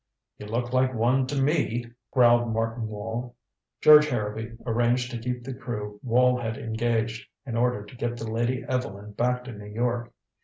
"You look like one to me," growled Martin Wall. George Harrowby arranged to keep the crew Wall had engaged, in order to get the Lady Evelyn back to New York.